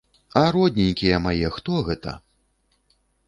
А родненькія мае, хто гэта?